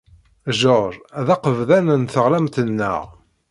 George d aqebḍan n teɣlamt-nneɣ.